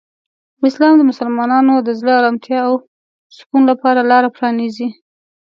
اسلام د مسلمانانو د زړه آرامتیا او سکون لپاره لاره پرانیزي.